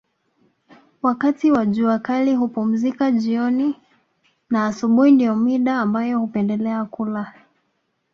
Wakati wa jua kali hupumzika jioni na asubuhi ndio mida ambayo hupendelea kula